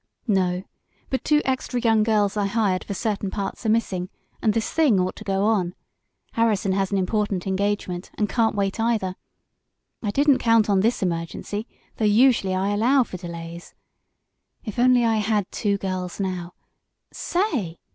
"No, but two extra young girls I hired for certain parts are missing, and this thing ought to go on. Harrison has an important engagement, and can't wait either. I didn't count on this emergency, though usually I allow for delays. If I only had two girls now Say!"